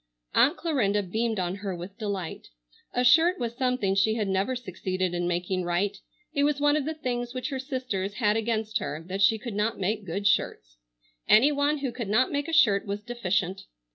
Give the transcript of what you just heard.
Aunt Clarinda beamed on her with delight. A shirt was something she had never succeeded in making right. It was one of the things which her sisters had against her that she could not make good shirts. Any one who could not make a shirt was deficient.